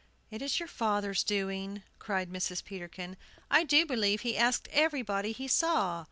"It is your father's doing," cried Mrs. Peterkin. "I do believe he asked everybody he saw!"